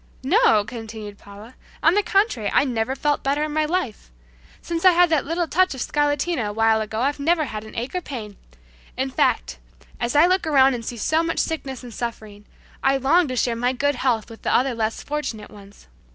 "No!" continued Paula, "on the contrary, I never felt better in my life. Since I had that little touch of scarletina a while ago I've never had an ache or a pain. In fact, as I look around and see so much sickness and suffering, I long to share my good health with these other less fortunate ones."